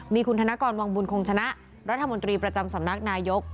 มีคุณธนกรวังบุญคงชนะรัฐมนตรีประจำสำนักนายก